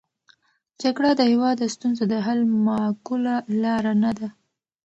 جګړه د هېواد د ستونزو د حل معقوله لاره نه ده.